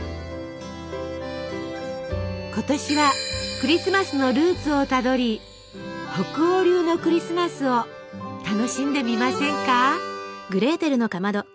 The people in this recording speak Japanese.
今年はクリスマスのルーツをたどり北欧流のクリスマスを楽しんでみませんか？